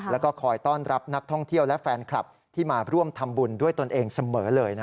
แล้วก็คอยต้อนรับนักท่องเที่ยวและแฟนคลับที่มาร่วมทำบุญด้วยตนเองเสมอเลย